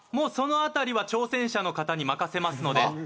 その辺りは挑戦者の方に任せますので。